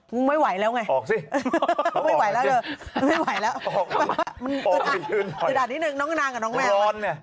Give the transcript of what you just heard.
มึงไม่ไหวแล้วไงไม่ไหวแล้วเดี๋ยวด่านนี้นึงน้องนางกับน้องแมว